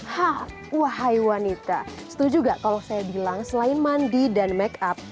hah wahai wanita setuju nggak kalau saya bilang selain mandi dan make up